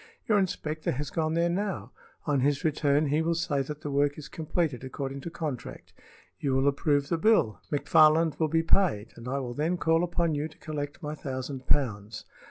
Your inspector has gone there now; on his return he will say that the work is completed according to contract. You will approve the bill, McFarland will be paid, and I will then call upon you to collect my thousand pounds.